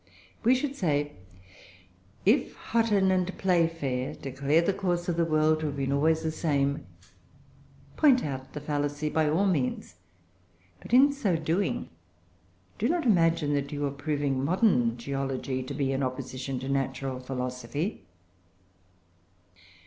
We should say, if Hutton and Playfair declare the course of the world to have been always the same, point out the fallacy by all means; but, in so doing, do not imagine that you are proving modern geology to be in opposition to natural philosophy.